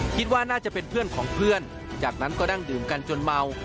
คิดว่าน่าจะเป็นเพื่อนของเพื่อนจากนั้นก็นั่งดื่มกันจนเมา